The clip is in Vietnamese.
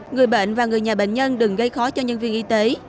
người bệnh và người nhà bệnh nhân đừng gây khó cho nhân viên y tế